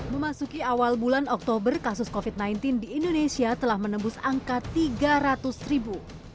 memasuki awal bulan oktober kasus covid sembilan belas di indonesia telah menembus angka tiga ratus ribu